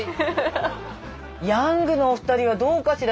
ヤングのお二人はどうかしら。